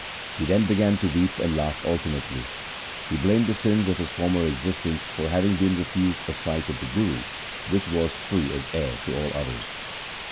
He then began to weep and laugh alternately. He blamed the sins of his former existence for having been refused a sight of the Guru, which was free as air to all others.